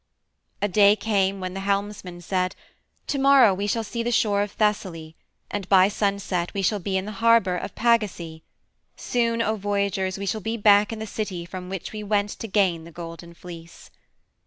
A day came when the helmsman said, "To morrow we shall see the shore of Thessaly, and by sunset we shall be in the harbor of Pagasae. Soon, O voyagers, we shall be back in the city from which we went to gain the Golden Fleece."